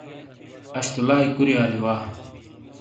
اش تو لائی کُوری آلی وا ۔